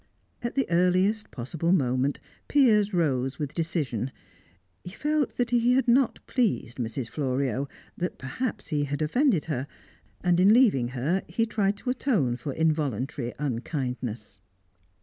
At the earliest possible moment, Piers rose with decision. He felt that he had not pleased Mrs. Florio, that perhaps he had offended her, and in leaving her he tried to atone for involuntary unkindness.